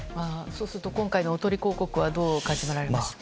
そうすると今回のおとり広告はどう感じられましたか？